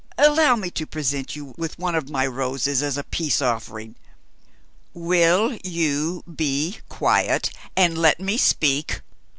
"Allow me to present you with one of my roses as a peace offering." "Will you be quiet, and let me speak?"